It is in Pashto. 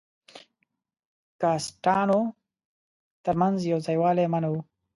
کاسټانو تر منځ یو ځای والی منع وو.